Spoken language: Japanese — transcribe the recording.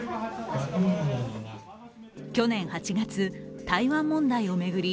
去年８月、台湾問題を巡り